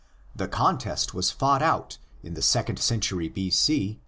The contest was fought out, in the second century B.c.